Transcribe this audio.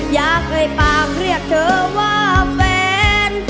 อยากให้ปากเรียกเธอว่าแฟน